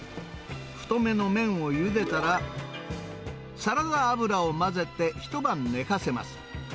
太めの麺をゆでたら、サラダ油を混ぜて一晩寝かせます。